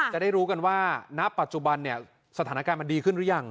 จะได้รู้กันว่าณปัจจุบันเนี่ยสถานการณ์มันดีขึ้นหรือยัง